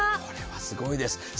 これはすごいです。